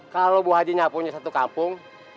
kalau bu haji nyapu di satu kampung